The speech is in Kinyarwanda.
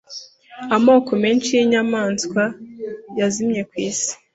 Amoko menshi yinyamaswa yazimye ku isi.